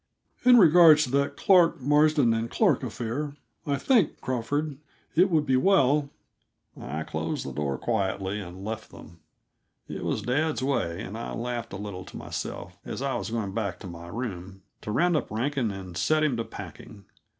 "In regard to that Clark, Marsden, and Clark affair, I think, Crawford, it would be well " I closed the door quietly and left them. It was dad's way, and I laughed a little to myself as I was going back to my room to round up Rankin and set him to packing.